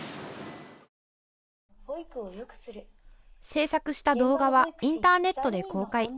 制作した動画はインターネットで公開。